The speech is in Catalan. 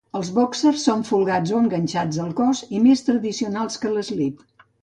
Els bòxers són folgats o enganxats al cos i més tradicionals que l'eslip.